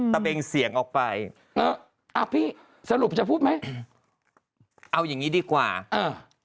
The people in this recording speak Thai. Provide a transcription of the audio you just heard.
เบงเสียงออกไปเอออ่าพี่สรุปจะพูดไหมเอาอย่างงี้ดีกว่าเออ